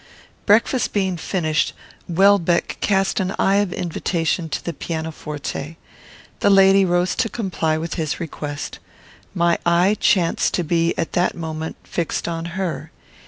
Breakfast being finished, Welbeck cast an eye of invitation to the piano forte. The lady rose to comply with his request. My eye chanced to be, at that moment, fixed on her.